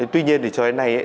tuy nhiên thì cho đến nay